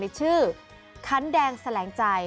ชื่อคันแดงแสลงใจ